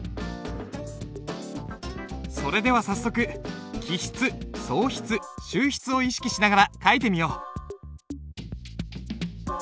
それでは早速起筆送筆収筆を意識しながら書いてみよう。